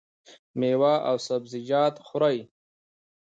میوه او سبزیجات خورئ؟